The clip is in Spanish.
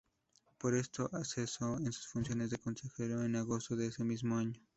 Por esto, cesó en sus funciones de consejero en agosto de ese mismo año.